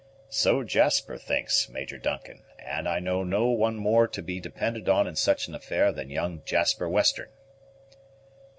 "So Jasper thinks, Major Duncan; and I know no one more to be depended on in such an affair than young Jasper Western."